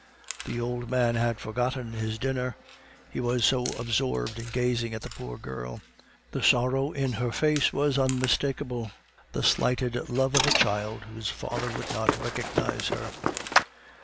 The old man had forgotten his dinner, he was so absorbed in gazing at the poor girl; the sorrow in her face was unmistakable, the slighted love of a child whose father would not recognize her.